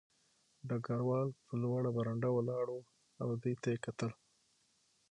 ډګروال په لوړه برنډه ولاړ و او دوی ته یې کتل